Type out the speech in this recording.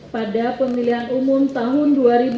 pada pemilihan umum tahun dua ribu sembilan belas